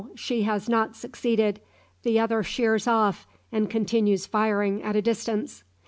she has not succeeded, the other sheers off, and continues firing at a distance."